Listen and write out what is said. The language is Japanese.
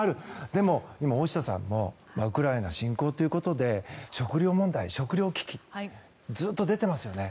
でも、今、大下さんからもウクライナ侵攻ということで食料問題、食料危機ずっと出てますよね。